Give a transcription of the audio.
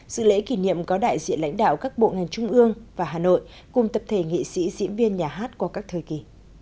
sự lễ kỷ niệm có đại diện lãnh đạo các bộ ngành trung ương và hà nội cùng tập thể nghị sĩ diễn viên nhà hát qua các thời kỳ